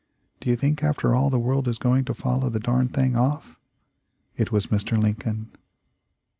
do you think, after all, the world is going to follow the darned thing off?' It was Mr. Lincoln."